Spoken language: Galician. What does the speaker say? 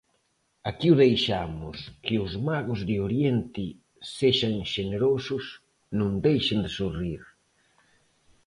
Aquí o deixamos, que os magos de oriente sexan xenerosos, non deixen de sorrir.